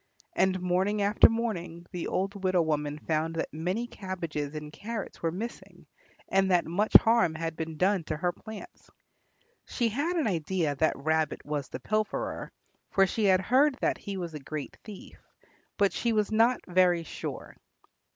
And morning after morning the old widow woman found that many cabbages and carrots were missing and that much harm had been done to her plants. She had an idea that Rabbit was the pilferer, for she had heard that he was a great thief, but she was not very sure.